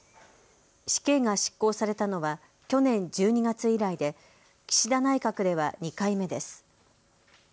死刑が執行されたのは去年１２月以来で岸田内閣では２回目です。